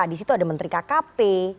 disitu ada menteri kkp